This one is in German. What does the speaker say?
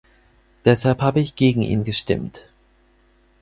Deshalb habe ich gegen ihn gestimmt.